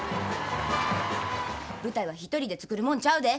舞台は一人で作るもんちゃうで。